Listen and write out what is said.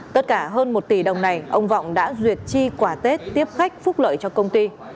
tất cả hơn một tỷ đồng này ông vọng đã duyệt chi quả tết tiếp khách phúc lợi cho công ty